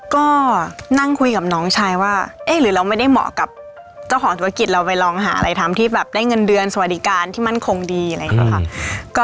ก็นั่งคุยกับน้องชายว่าเอ๊ะหรือเราไม่ได้เหมาะกับเจ้าของธุรกิจเราไปลองหาอะไรทำที่แบบได้เงินเดือนสวัสดิการที่มั่นคงดีอะไรอย่างนี้ค่ะ